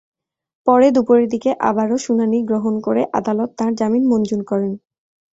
পরে দুপুরের দিকে আবারও শুনানি গ্রহণ করে আদালত তাঁর জামিন মঞ্জুর করেন।